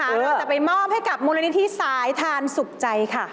เราจะไปมอบให้กับมูลนิธิสายทานสุขใจค่ะ